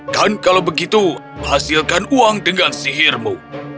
dan kalau begitu hasilkan uang dengan sihirmu